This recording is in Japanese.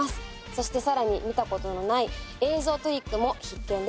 そしてさらに見たことのない映像トリックも必見です。